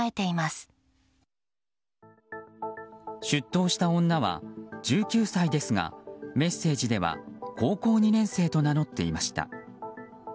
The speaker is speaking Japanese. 出頭した女は１９歳ですがメッセージでは高校２年生と名乗っていました。